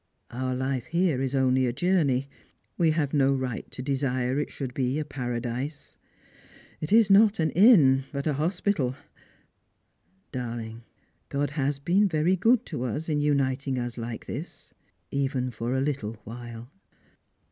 Our life here is only a journey ; we have no right to desire it should be a paradise; it is not an inn, out a hospital. Darling, God has been very good to us in uniting us like this, even for a little while."